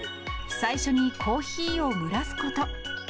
最初にコーヒーを蒸らすこと。